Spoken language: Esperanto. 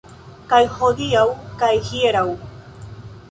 Kaj hodiaŭ kaj hieraŭ.